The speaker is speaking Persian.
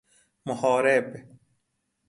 محارب